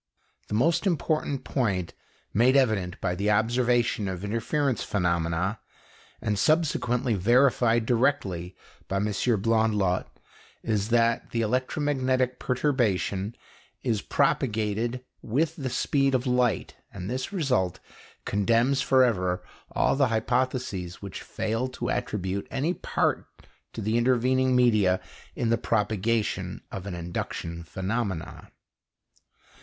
The most important point made evident by the observation of interference phenomena and subsequently verified directly by M. Blondlot, is that the electromagnetic perturbation is propagated with the speed of light, and this result condemns for ever all the hypotheses which fail to attribute any part to the intervening media in the propagation of an induction phenomenon.